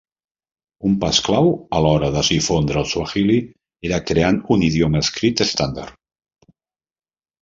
Un pas clau a l'hora de difondre el suahili era creant un idioma escrit estàndard.